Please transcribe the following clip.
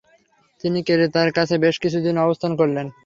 তিনি ক্রেতার কাছে বেশ কিছুদিন অবস্থান করলেন।